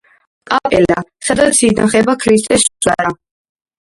კაპელა, სადაც ინახება ქრისტეს სუდარა.